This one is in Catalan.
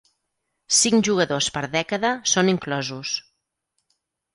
Cinc jugadors per dècada són inclosos.